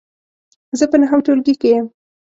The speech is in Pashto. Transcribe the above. زه په نهم ټولګې کې یم .